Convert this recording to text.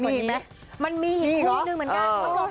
มันมีคู่นึงเหมือนกัน